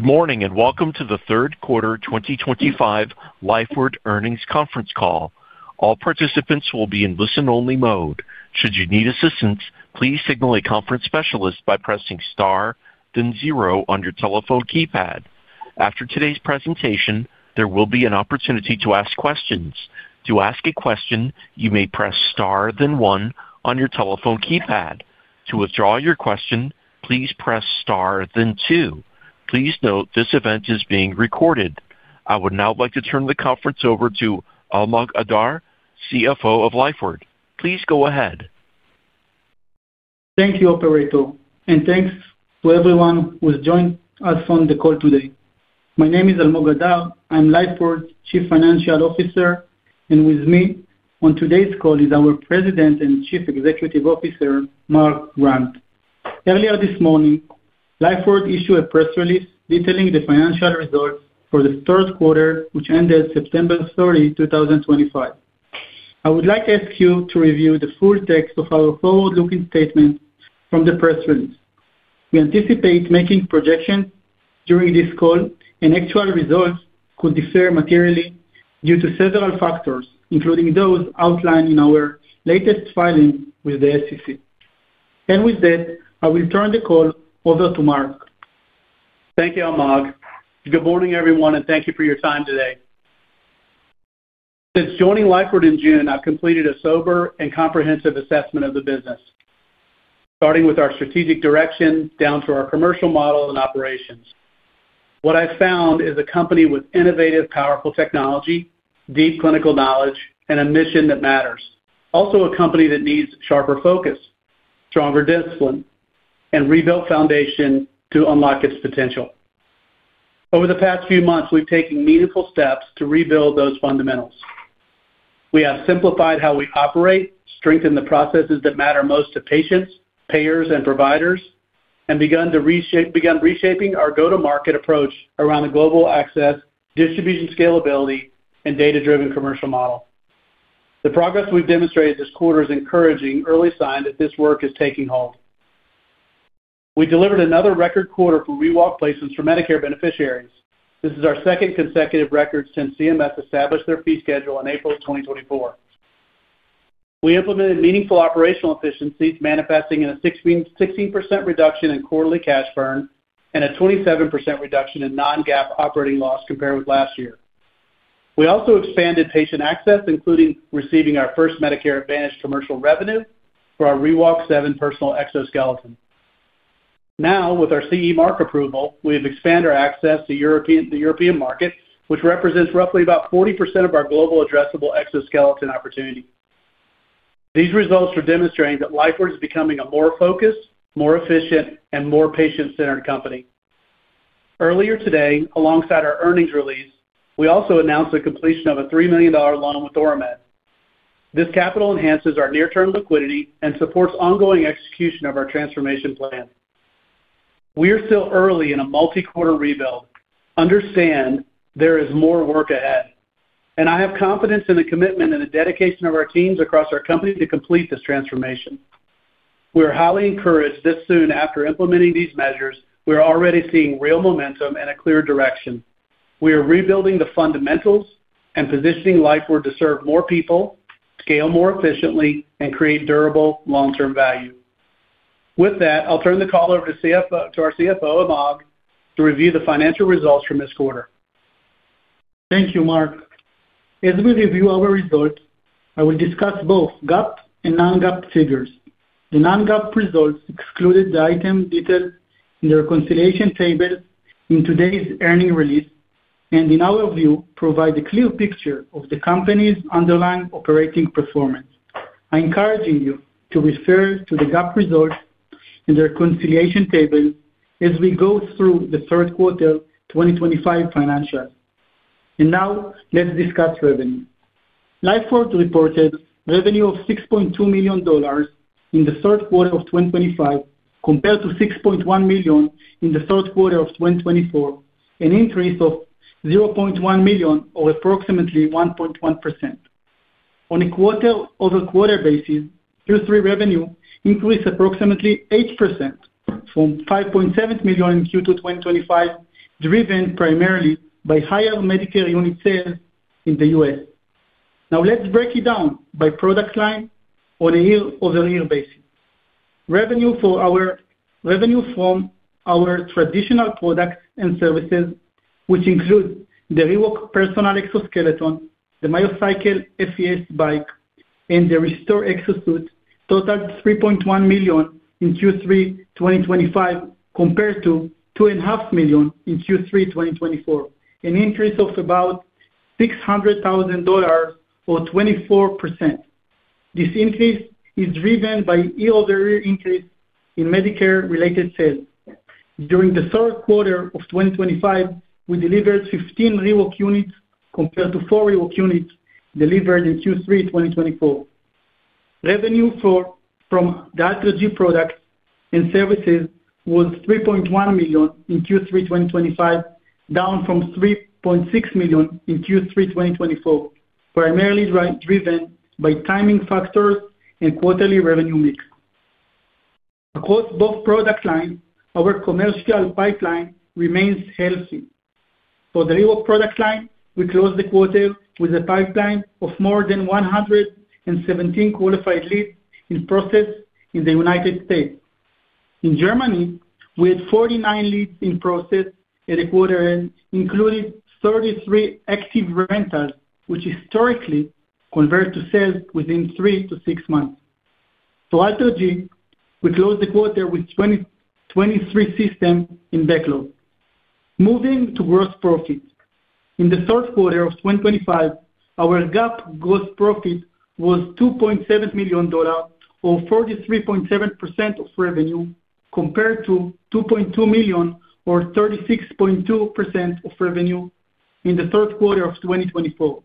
Good morning and welcome to the Third quarter 2025 Lifeward Earnings conference call. All participants will be in listen-only mode. Should you need assistance, please signal a conference specialist by pressing star, then zero on your telephone keypad. After today's presentation, there will be an opportunity to ask questions. To ask a question, you may press star, then one on your telephone keypad. To withdraw your question, please press star, then two. Please note this event is being recorded. I would now like to turn the conference over to Almog Adar, CFO of Lifeward. Please go ahead. Thank you, Operator, and thanks to everyone who has joined us on the call today. My name is Almog Adar. I'm Lifeward's Chief Financial Officer, and with me on today's call is our President and Chief Executive Officer, Mark Grant. Earlier this morning, Lifeward issued a press release detailing the financial results for the third quarter, which ended September 30, 2025. I would like to ask you to review the full text of our forward-looking statement from the press release. We anticipate making projections during this call, and actual results could differ materially due to several factors, including those outlined in our latest filings with the SEC. With that, I will turn the call over to Mark. Thank you, Almog. Good morning, everyone, and thank you for your time today. Since joining Lifeward in June, I've completed a sober and comprehensive assessment of the business, starting with our strategic direction down to our commercial model and operations. What I've found is a company with innovative, powerful technology, deep clinical knowledge, and a mission that matters. Also, a company that needs sharper focus, stronger discipline, and a rebuilt foundation to unlock its potential. Over the past few months, we've taken meaningful steps to rebuild those fundamentals. We have simplified how we operate, strengthened the processes that matter most to patients, payers, and providers, and begun reshaping our go-to-market approach around the global access, distribution scalability, and data-driven commercial model. The progress we've demonstrated this quarter is encouraging, early signs that this work is taking hold. We delivered another record quarter for ReWalk placements for Medicare beneficiaries. This is our second consecutive record since CMS established their fee schedule in April 2024. We implemented meaningful operational efficiencies, manifesting in a 16% reduction in quarterly cash burn and a 27% reduction in non-GAAP operating loss compared with last year. We also expanded patient access, including receiving our first Medicare Advantage commercial revenue for our ReWalk 7 Personal Exoskeleton. Now, with our CE mark approval, we have expanded our access to the European market, which represents roughly about 40% of our global addressable exoskeleton opportunity. These results are demonstrating that Lifeward is becoming a more focused, more efficient, and more patient-centered company. Earlier today, alongside our earnings release, we also announced the completion of a $3 million loan with AuraMed. This capital enhances our near-term liquidity and supports ongoing execution of our transformation plan. We are still early in a multi-quarter rebuild. Understand there is more work ahead, and I have confidence in the commitment and the dedication of our teams across our company to complete this transformation. We are highly encouraged that soon after implementing these measures, we are already seeing real momentum and a clear direction. We are rebuilding the fundamentals and positioning Lifeward to serve more people, scale more efficiently, and create durable long-term value. With that, I'll turn the call over to our CFO, Almog, to review the financial results from this quarter. Thank you, Mark. As we review our results, I will discuss both GAAP and non-GAAP figures. The non-GAAP results excluded the items detailed in the reconciliation tables in today's earnings release and, in our view, provide a clear picture of the company's underlying operating performance. I encourage you to refer to the GAAP results and the reconciliation tables as we go through the third quarter 2025 financials. Now, let's discuss revenue. Lifeward reported revenue of $6.2 million in the third quarter of 2025 compared to $6.1 million in the third quarter of 2024, an increase of $0.1 million, or approximately 1.1%. On a quarter-over-quarter basis, Q3 revenue increased approximately 8% from $5.7 million in Q2 2025, driven primarily by higher Medicare unit sales in the U.S. Now, let's break it down by product line on a year-over-year basis. Revenue from our traditional products and services, which include the ReWalk Personal Exoskeleton, the MyoCycle FES bike, and the ReStore Exo-Suit, totaled $3.1 million in Q3 2025 compared to $2.5 million in Q3 2024, an increase of about $600,000, or 24%. This increase is driven by year-over-year increase in Medicare-related sales. During the third quarter of 2025, we delivered 15 ReWalk units compared to 4 ReWalk units delivered in Q3 2024. Revenue from the AlterG products and services was $3.1 million in Q3 2025, down from $3.6 million in Q3 2024, primarily driven by timing factors and quarterly revenue mix. Across both product lines, our commercial pipeline remains healthy. For the ReWalk product line, we closed the quarter with a pipeline of more than 117 qualified leads in process in the United States. In Germany, we had 49 leads in process at the quarter-end, including 33 active rentals, which historically convert to sales within three to six months. For AlterG, we closed the quarter with 23 systems in backlog. Moving to gross profit. In the third quarter of 2025, our GAAP gross profit was $2.7 million, or 43.7% of revenue, compared to $2.2 million, or 36.2% of revenue in the third quarter of 2024.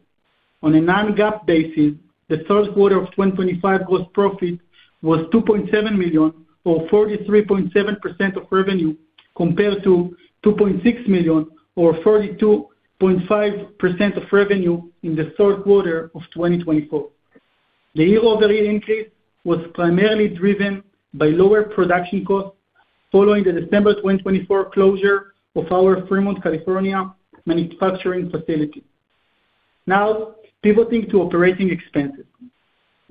On a non-GAAP basis, the third quarter of 2025 gross profit was $2.7 million, or 43.7% of revenue, compared to $2.6 million, or 42.5% of revenue in the third quarter of 2024. The year-over-year increase was primarily driven by lower production costs following the December 2024 closure of our Fremont, California manufacturing facility. Now, pivoting to operating expenses.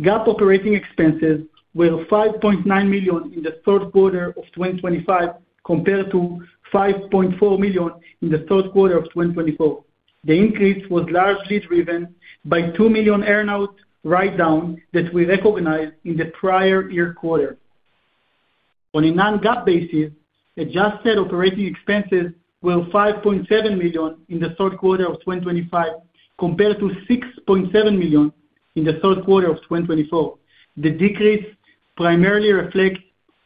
GAAP operating expenses were $5.9 million in the third quarter of 2025 compared to $5.4 million in the third quarter of 2024. The increase was largely driven by $2 million earn-out write-down that we recognized in the prior year quarter. On a non-GAAP basis, adjusted operating expenses were $5.7 million in the third quarter of 2025 compared to $6.7 million in the third quarter of 2024. The decrease primarily reflects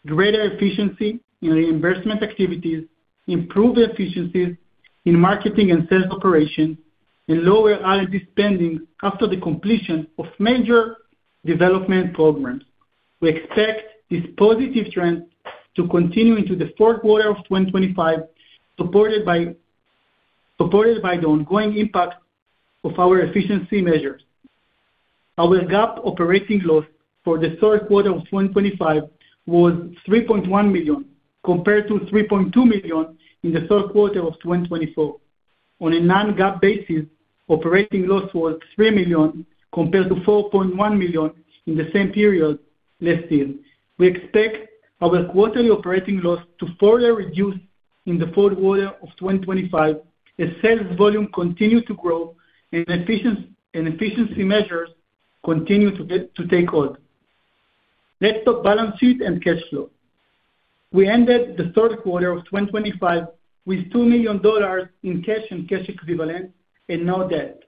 greater efficiency in reimbursement activities, improved efficiencies in marketing and sales operations, and lower R&D spending after the completion of major development programs. We expect this positive trend to continue into the fourth quarter of 2025, supported by the ongoing impact of our efficiency measures. Our GAAP operating loss for the third quarter of 2025 was $3.1 million compared to $3.2 million in the third quarter of 2024. On a non-GAAP basis, operating loss was $3 million compared to $4.1 million in the same period last year. We expect our quarterly operating loss to further reduce in the fourth quarter of 2025 as sales volume continues to grow and efficiency measures continue to take hold. Let's talk balance sheet and cash flow. We ended the third quarter of 2025 with $2 million in cash and cash equivalent and no debt.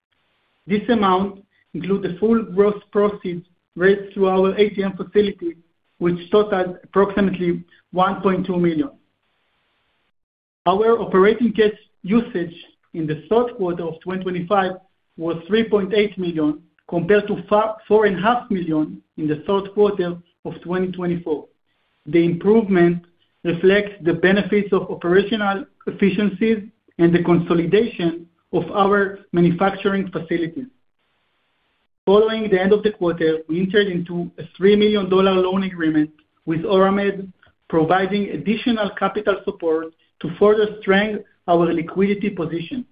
This amount includes the full gross proceeds raised through our ATM facility, which totaled approximately $1.2 million. Our operating cash usage in the third quarter of 2025 was $3.8 million compared to $4.5 million in the third quarter of 2024. The improvement reflects the benefits of operational efficiencies and the consolidation of our manufacturing facilities. Following the end of the quarter, we entered into a $3 million loan agreement with AuraMed, providing additional capital support to further strengthen our liquidity position.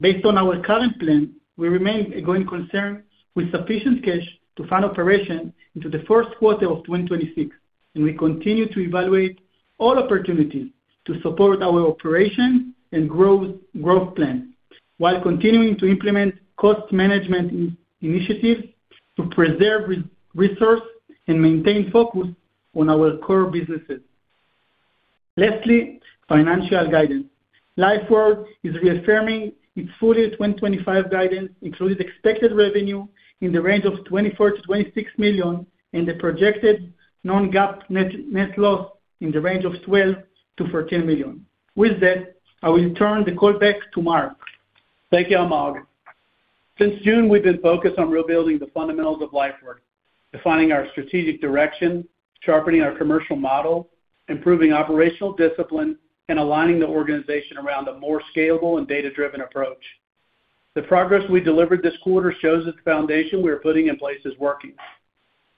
Based on our current plan, we remain a going concern with sufficient cash to fund operations into the fourth quarter of 2026, and we continue to evaluate all opportunities to support our operations and growth plan while continuing to implement cost management initiatives to preserve resources and maintain focus on our core businesses. Lastly, financial guidance. Lifeward is reaffirming its full year 2025 guidance, including expected revenue in the range of $24-$26 million and the projected non-GAAP net loss in the range of $12-$14 million. With that, I will turn the call back to Mark. Thank you, Almog. Since June, we've been focused on rebuilding the fundamentals of Lifeward, defining our strategic direction, sharpening our commercial model, improving operational discipline, and aligning the organization around a more scalable and data-driven approach. The progress we delivered this quarter shows that the foundation we are putting in place is working.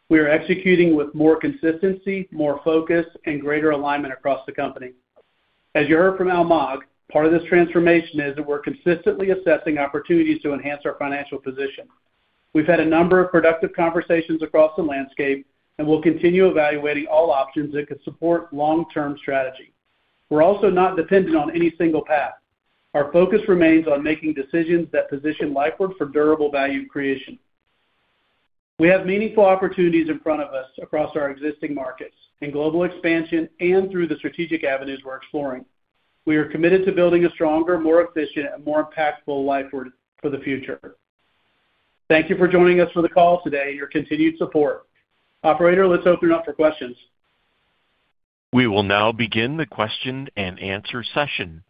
We are executing with more consistency, more focus, and greater alignment across the company. As you heard from Almog, part of this transformation is that we're consistently assessing opportunities to enhance our financial position. We've had a number of productive conversations across the landscape and will continue evaluating all options that could support long-term strategy. We're also not dependent on any single path. Our focus remains on making decisions that position Lifeward for durable value creation. We have meaningful opportunities in front of us across our existing markets, in global expansion, and through the strategic avenues we're exploring. We are committed to building a stronger, more efficient, and more impactful Lifeward for the future. Thank you for joining us for the call today and your continued support. Operator, let's open it up for questions. We will now begin the question and answer session.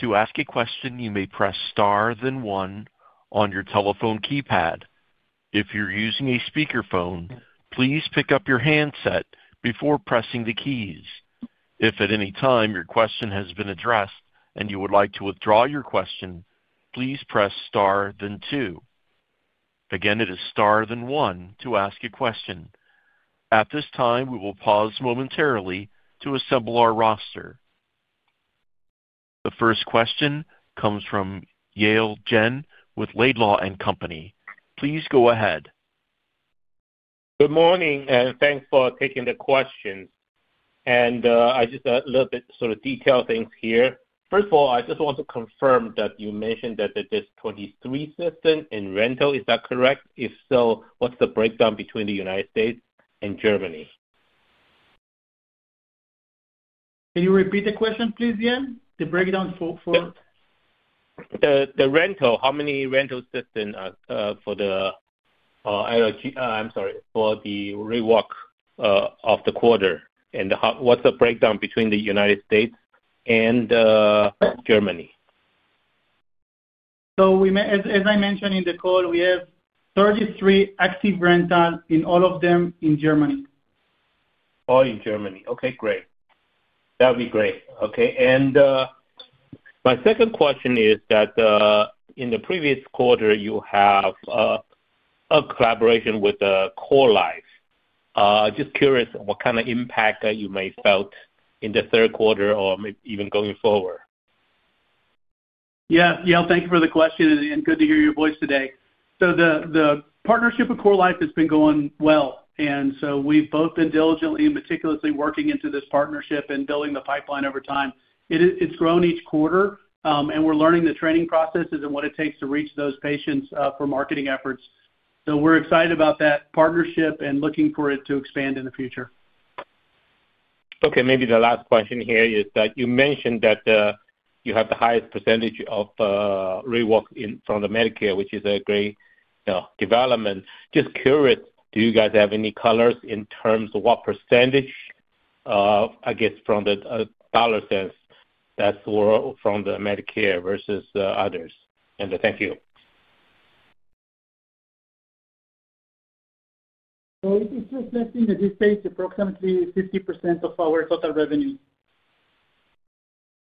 To ask a question, you may press star then one on your telephone keypad. If you're using a speakerphone, please pick up your handset before pressing the keys. If at any time your question has been addressed and you would like to withdraw your question, please press star then two. Again, it is star then one to ask a question. At this time, we will pause momentarily to assemble our roster. The first question comes from Yale Jen with Laidlaw & Company. Please go ahead. Good morning and thanks for taking the questions. I just a little bit sort of detail things here. First of all, I just want to confirm that you mentioned that there's 23 systems in rental. Is that correct? If so, what's the breakdown between the United States and Germany? Can you repeat the question, please, Yale? The breakdown for. The rental, how many rental systems for the, I'm sorry, for the ReWalk of the quarter? And what's the breakdown between the United States and Germany? As I mentioned in the call, we have 33 active rentals, all of them in Germany. All in Germany. Okay, great. That would be great. Okay. My second question is that in the previous quarter, you have a collaboration with CorLife. Just curious what kind of impact that you may felt in the third quarter or even going forward. Yeah, Yale, thank you for the question and good to hear your voice today. The partnership with CorLife has been going well. We have both been diligently and meticulously working into this partnership and building the pipeline over time. It has grown each quarter, and we are learning the training processes and what it takes to reach those patients for marketing efforts. We are excited about that partnership and looking for it to expand in the future. Okay, maybe the last question here is that you mentioned that you have the highest percentage of ReWalk from the Medicare, which is a great development. Just curious, do you guys have any colors in terms of what percentage, I guess, from the dollar sense that's from the Medicare versus others? And thank you. It's reflecting that this pays approximately 50% of our total revenue.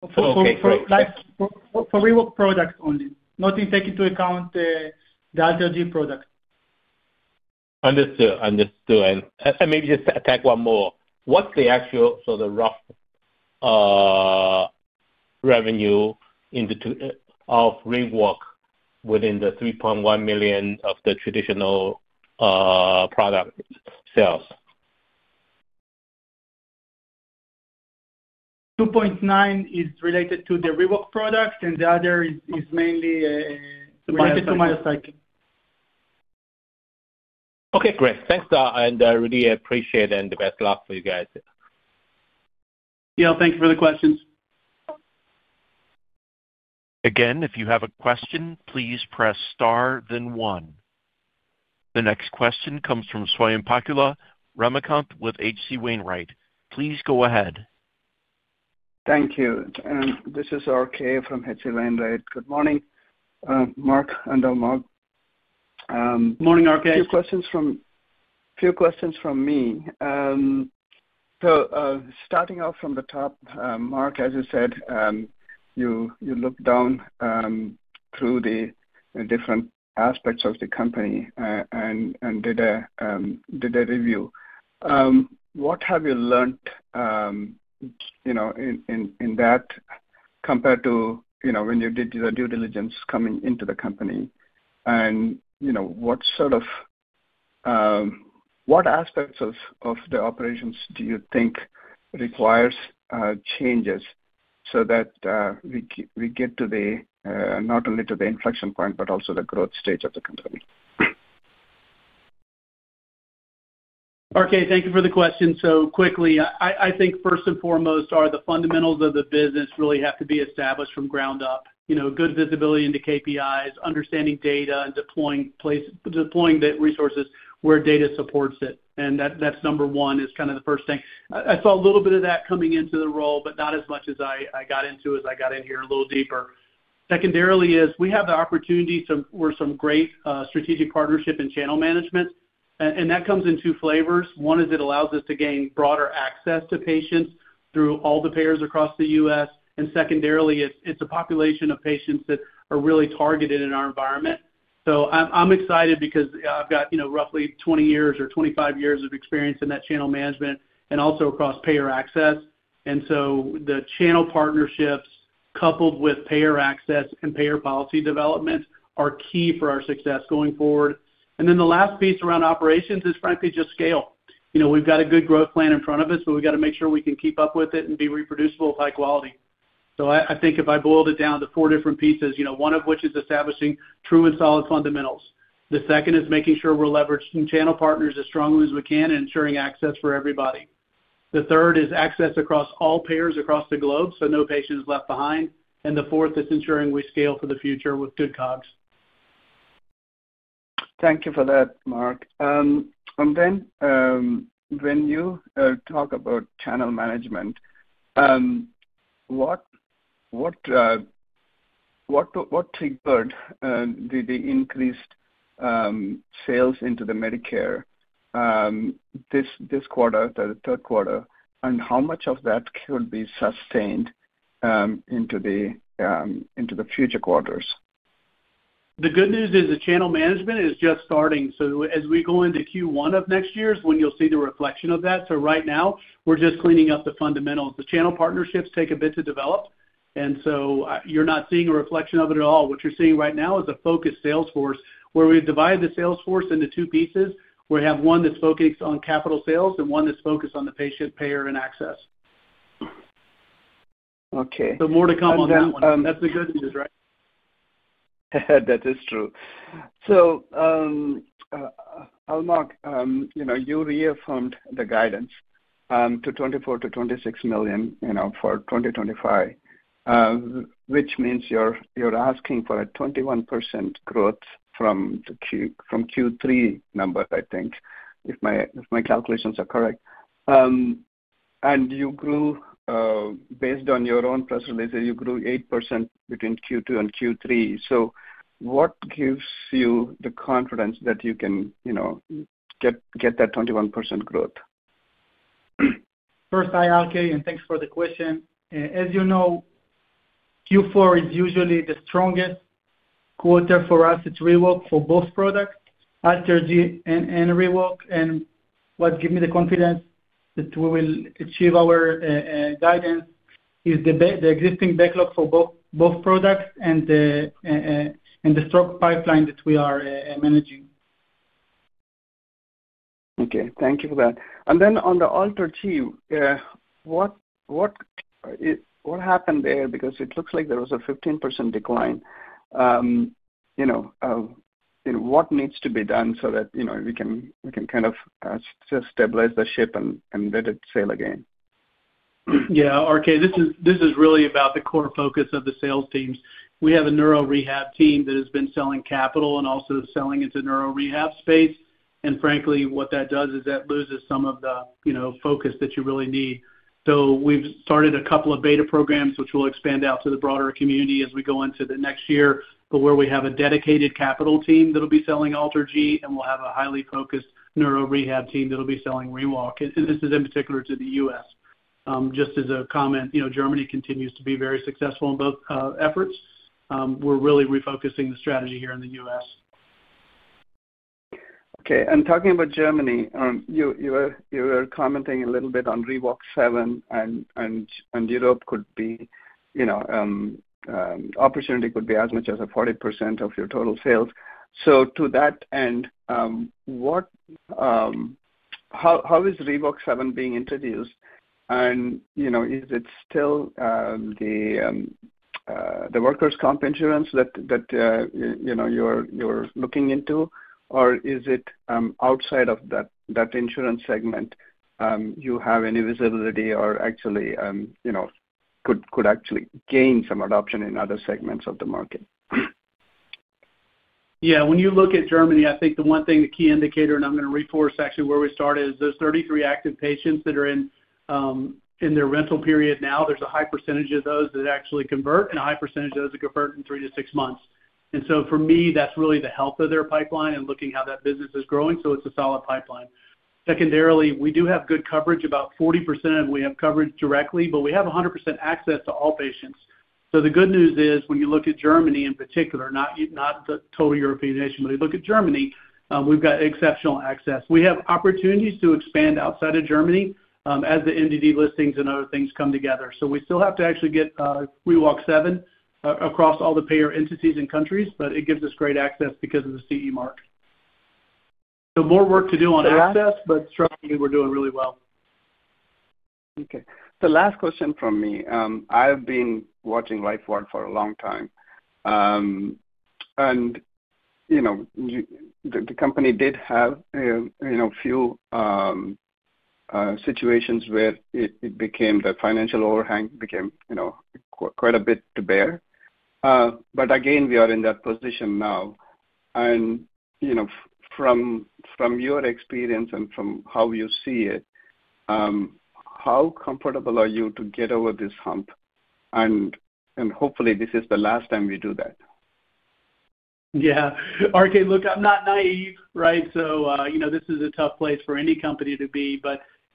Okay. For ReWalk products only, not taking into account the AlterG products. Understood. Understood. Maybe just to attack one more. What's the actual sort of rough revenue of ReWalk within the $3.1 million of the traditional product sales? $2.9 million is related to the ReWalk products, and the other is mainly related to MyoCycle. Okay, great. Thanks, and I really appreciate it and the best luck for you guys. Yale, thank you for the questions. Again, if you have a question, please press star then one. The next question comes from Swayampakula Ramakanth with H.C. Wainwright. Please go ahead. Thank you. This is RK from H.C. Wainwright. Good morning, Mark and Almog. Good morning, RK. A few questions from me. Starting off from the top, Mark, as you said, you looked down through the different aspects of the company and did a review. What have you learned in that compared to when you did your due diligence coming into the company? What sort of aspects of the operations do you think require changes so that we get to not only the inflection point, but also the growth stage of the company? RK, thank you for the question. Quickly, I think first and foremost the fundamentals of the business really have to be established from the ground up. Good visibility into KPIs, understanding data, and deploying the resources where data supports it. That's number one, kind of the first thing. I saw a little bit of that coming into the role, but not as much as I got in here a little deeper. Secondarily, we have the opportunity for some great strategic partnership and channel management. That comes in two flavors. One is it allows us to gain broader access to patients through all the payers across the U.S. Secondarily, it's a population of patients that are really targeted in our environment. I'm excited because I've got roughly 20 years or 25 years of experience in that channel management and also across payer access. The channel partnerships coupled with payer access and payer policy development are key for our success going forward. The last piece around operations is frankly just scale. We've got a good growth plan in front of us, but we've got to make sure we can keep up with it and be reproducible with high quality. I think if I boiled it down to four different pieces, one of which is establishing true and solid fundamentals. The second is making sure we're leveraging channel partners as strongly as we can and ensuring access for everybody. The third is access across all payers across the globe so no patient is left behind. The fourth is ensuring we scale for the future with good COGS. Thank you for that, Mark. When you talk about channel management, what triggered the increased sales into the Medicare this quarter, the third quarter, and how much of that could be sustained into the future quarters? The good news is the channel management is just starting. As we go into Q1 of next year is when you'll see the reflection of that. Right now, we're just cleaning up the fundamentals. The channel partnerships take a bit to develop. You're not seeing a reflection of it at all. What you're seeing right now is a focused sales force where we've divided the sales force into two pieces. We have one that's focused on capital sales and one that's focused on the patient, payer, and access. Okay. More to come on that one. That's the good news, right? That is true. Almog, you reaffirmed the guidance to $24-$26 million for 2025, which means you're asking for a 21% growth from Q3 number, I think, if my calculations are correct. You grew, based on your own press release, you grew 8% between Q2 and Q3. What gives you the confidence that you can get that 21% growth? First, I ask you, and thanks for the question. As you know, Q4 is usually the strongest quarter for us. It's ReWalk for both products, AlterG and ReWalk. What gives me the confidence that we will achieve our guidance is the existing backlog for both products and the stock pipeline that we are managing. Okay. Thank you for that. On the AlterG, what happened there? Because it looks like there was a 15% decline. What needs to be done so that we can kind of just stabilize the ship and let it sail again? Yeah, RK, this is really about the core focus of the sales teams. We have a neuro rehab team that has been selling capital and also selling into neuro rehab space. And frankly, what that does is that loses some of the focus that you really need. We have started a couple of beta programs, which will expand out to the broader community as we go into the next year, but where we have a dedicated capital team that will be selling AlterG, and we will have a highly focused neuro rehab team that will be selling ReWalk. This is in particular to the U.S. Just as a comment, Germany continues to be very successful in both efforts. We are really refocusing the strategy here in the U.S. Okay. Talking about Germany, you were commenting a little bit on ReWalk 7, and Europe could be opportunity, could be as much as 40% of your total sales. To that end, how is ReWalk 7 being introduced? Is it still the workers' comp insurance that you're looking into, or is it outside of that insurance segment? Do you have any visibility or actually could actually gain some adoption in other segments of the market? Yeah. When you look at Germany, I think the one thing, the key indicator, and I'm going to reforce actually where we started, is those 33 active patients that are in their rental period now. There's a high percentage of those that actually convert and a high percentage of those that convert in three to six months. For me, that's really the health of their pipeline and looking how that business is growing. It's a solid pipeline. Secondarily, we do have good coverage. About 40% of them we have coverage directly, but we have 100% access to all patients. The good news is when you look at Germany in particular, not the total European nation, but you look at Germany, we've got exceptional access. We have opportunities to expand outside of Germany as the MDD listings and other things come together. We still have to actually get ReWalk 7 across all the payer entities and countries, but it gives us great access because of the CE mark. More work to do on access, but struggling, we're doing really well. Okay. The last question from me. I've been watching Lifeward for a long time. And the company did have a few situations where it became the financial overhang became quite a bit to bear. But again, we are in that position now. And from your experience and from how you see it, how comfortable are you to get over this hump? And hopefully, this is the last time we do that. Yeah. RK, look, I'm not naive, right? This is a tough place for any company to be.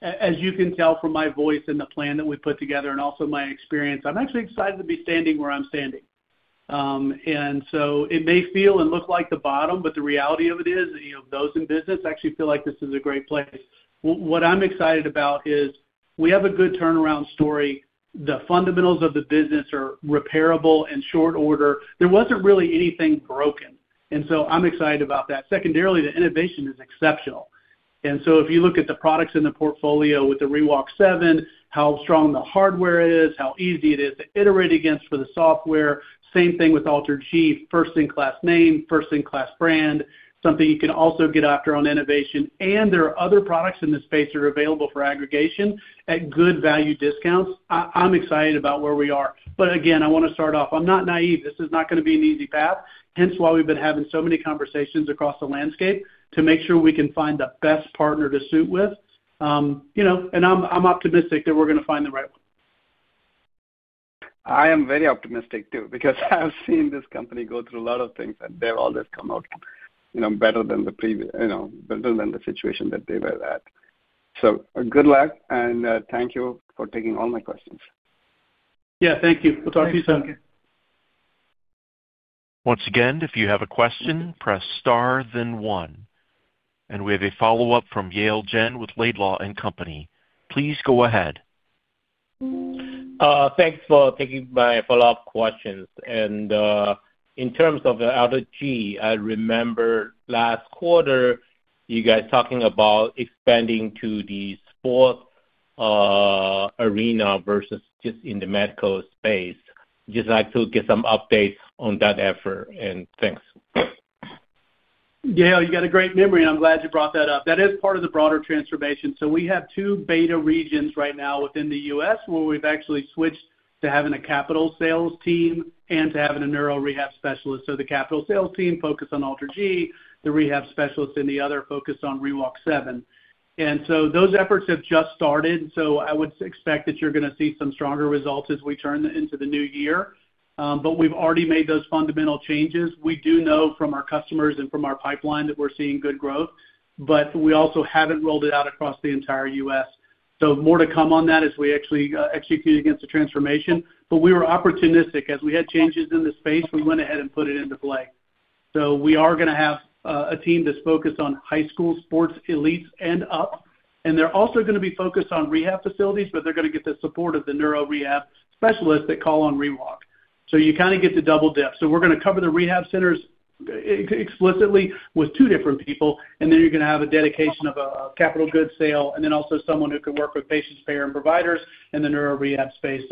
As you can tell from my voice and the plan that we put together and also my experience, I'm actually excited to be standing where I'm standing. It may feel and look like the bottom, but the reality of it is those in business actually feel like this is a great place. What I'm excited about is we have a good turnaround story. The fundamentals of the business are repairable in short order. There wasn't really anything broken. I'm excited about that. Secondarily, the innovation is exceptional. If you look at the products in the portfolio with the ReWalk 7, how strong the hardware is, how easy it is to iterate against for the software, same thing with AlterG, first-in-class name, first-in-class brand, something you can also get after on innovation. There are other products in the space that are available for aggregation at good value discounts. I'm excited about where we are. I want to start off. I'm not naive. This is not going to be an easy path. Hence why we've been having so many conversations across the landscape to make sure we can find the best partner to suit with. I'm optimistic that we're going to find the right one. I am very optimistic too because I've seen this company go through a lot of things, and they've always come out better than the situation that they were at. Good luck, and thank you for taking all my questions. Yeah, thank you. We'll talk to you soon. Once again, if you have a question, press star, then one. We have a follow-up from Yale Jen with Laidlaw & Company. Please go ahead. Thanks for taking my follow-up questions. In terms of AlterG, I remember last quarter you guys talking about expanding to the sports arena versus just in the medical space. Just like to get some updates on that effort. Thanks. Yale, you got a great memory, and I'm glad you brought that up. That is part of the broader transformation. We have two beta regions right now within the U.S. where we've actually switched to having a capital sales team and to having a neuro rehab specialist. The capital sales team focused on AlterG. The rehab specialists in the other focused on ReWalk 7. Those efforts have just started. I would expect that you're going to see some stronger results as we turn into the new year. We've already made those fundamental changes. We do know from our customers and from our pipeline that we're seeing good growth, but we also haven't rolled it out across the entire U.S. More to come on that as we actually execute against the transformation. We were opportunistic. As we had changes in the space, we went ahead and put it into play. We are going to have a team that's focused on high school sports elites and up. They're also going to be focused on rehab facilities, but they're going to get the support of the neuro rehab specialists that call on ReWalk. You kind of get to double dip. We're going to cover the rehab centers explicitly with two different people, and then you're going to have a dedication of a capital goods sale and also someone who can work with patients, payer, and providers in the neuro rehab space.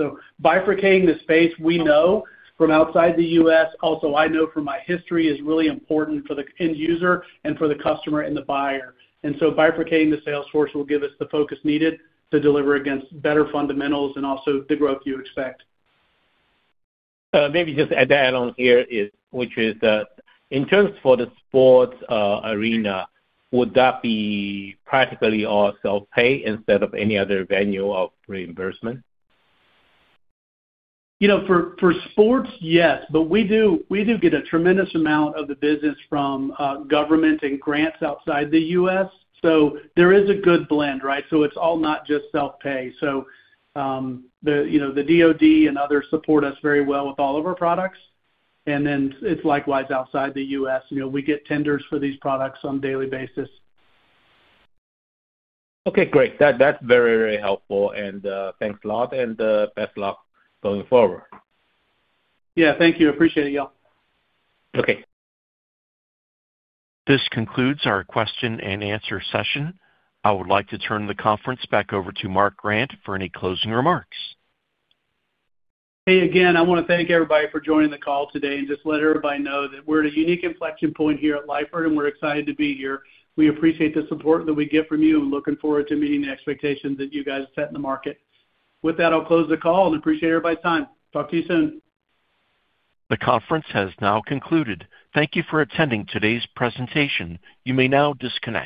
Bifurcating the space we know from outside the U.S., also I know from my history, is really important for the end user and for the customer and the buyer. Bifurcating the sales force will give us the focus needed to deliver against better fundamentals and also the growth you expect. Maybe just add that on here, which is in terms for the sports arena, would that be practically also pay instead of any other venue of reimbursement? For sports, yes, but we do get a tremendous amount of the business from government and grants outside the U.S. There is a good blend, right? It is all not just self-pay. The DOD and others support us very well with all of our products. It is likewise outside the U.S. We get tenders for these products on a daily basis. Okay, great. That's very, very helpful. Thanks a lot, and best luck going forward. Yeah, thank you. Appreciate it, y'all. Okay. This concludes our question and answer session. I would like to turn the conference back over to Mark Grant for any closing remarks. Hey, again, I want to thank everybody for joining the call today and just let everybody know that we're at a unique inflection point here at Lifeward, and we're excited to be here. We appreciate the support that we get from you. We're looking forward to meeting the expectations that you guys set in the market. With that, I'll close the call and appreciate everybody's time. Talk to you soon. The conference has now concluded. Thank you for attending today's presentation. You may now disconnect.